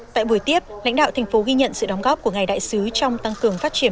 tại buổi tiếp lãnh đạo thành phố ghi nhận sự đóng góp của ngài đại sứ trong tăng cường phát triển